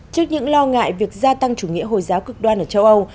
trước những lo ngại việc gia tăng chủ nghĩa hồi giáo cực đoan ở châu âu